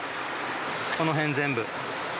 この辺全部。